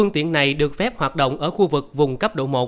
phương tiện này được phép hoạt động ở khu vực vùng cấp độ một